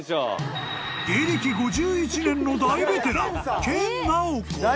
［芸歴５１年の大ベテラン］